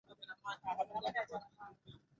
ujio wa Obama ni kujiuliza Tunajifunza nini